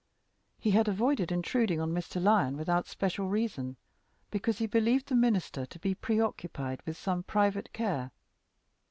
He had avoided intruding on Mr. Lyon without special reason, because he believed the minister to be preoccupied with some private care.